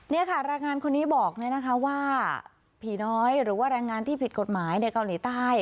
นี่ค่ะแรงงานคนนี้บอกว่าผีน้อยหรือว่าแรงงานที่ผิดกฎหมายในเกาหลีใต้